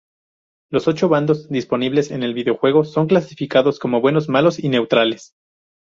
Los ocho bandos disponibles en el videojuego son clasificados como buenos, malos y neutrales.